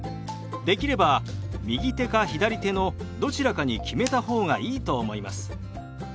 できれば右手か左手のどちらかに決めた方がいいと思います。